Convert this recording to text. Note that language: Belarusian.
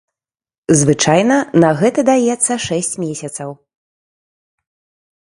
Звычайна на гэта даецца шэсць месяцаў.